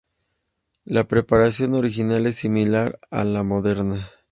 La preparación original es similar a la moderna.